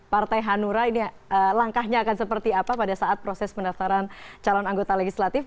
partai hanura ini langkahnya akan seperti apa pada saat proses pendaftaran calon anggota legislatif